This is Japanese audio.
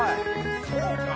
そうか？